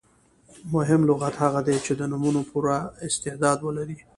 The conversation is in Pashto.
مهم لغت هغه دئ، چي د نومونو پوره استعداد ولري.